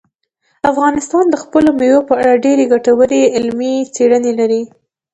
افغانستان د خپلو مېوو په اړه ډېرې ګټورې علمي څېړنې لري.